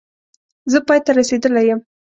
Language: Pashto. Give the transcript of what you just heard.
زه پای ته رسېدلی یم